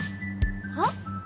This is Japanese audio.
はっ？